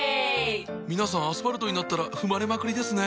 皆さんアスファルトになったら踏まれまくりですねぇ。